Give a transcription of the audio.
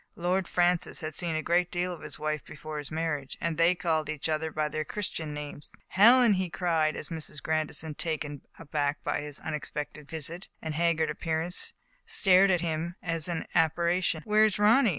Lord Francis had seen a great deal of his wife before his marriage, and they called each other by their Christian names. " Helen, he cried, as Mrs. Grandison, taken aback by his unexpected visit and haggard ap pearance, stared at him as at an apparition, where is Ronny